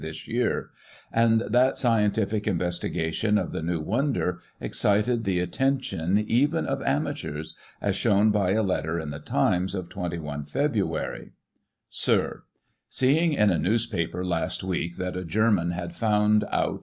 this year; and that scientific investiga tion of the new wonder excited the attention, even of amateurs, is shown by a letter in the Times of 21 Feb. : "Sir, — Seeing in a newspaper, last week, that a German had found out M.